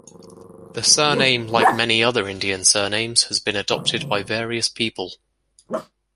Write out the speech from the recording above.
The surname like many other Indian surnames has been adopted by various people.